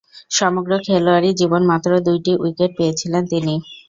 সমগ্র খেলোয়াড়ী জীবন মাত্র দুইটি উইকেট পেয়েছিলেন তিনি।